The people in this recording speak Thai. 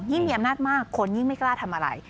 มีอำนาจมากคนยิ่งไม่กล้าทำอะไร